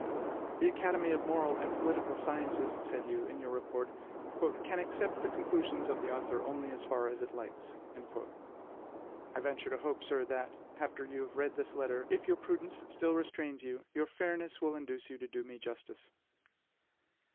"The Academy of Moral and Political Sciences," said you in your report, "can accept the conclusions of the author only as far as it likes." I venture to hope, sir, that, after you have read this letter, if your prudence still restrains you, your fairness will induce you to do me justice.